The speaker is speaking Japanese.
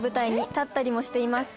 「立ったりもしています」